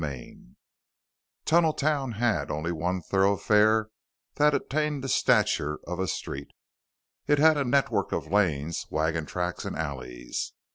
III Tunneltown had only one thoroughfare that attained the stature of a street. It had a network of lanes, wagon tracks, and alleys.